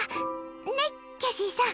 ね、キャシーさん。